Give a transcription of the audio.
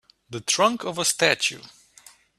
The trunk of a statue